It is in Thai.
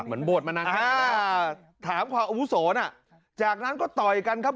เหมือนบวชมานานห้าถามความอาวุโสน่ะจากนั้นก็ต่อยกันครับ